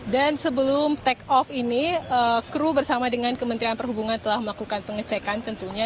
dan sebelum take off ini kru bersama dengan kementerian perhubungan telah melakukan pengecekan tentunya